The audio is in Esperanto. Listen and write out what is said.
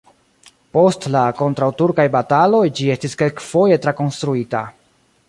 Post la kontraŭturkaj bataloj ĝi estis kelkfoje trakonstruita.